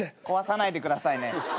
壊さないでくださいね。